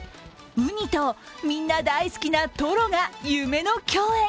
うにと、みんなが大好きなとろが夢の共演。